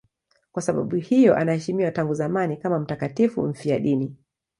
Kwa sababu hiyo anaheshimiwa tangu zamani kama mtakatifu mfiadini.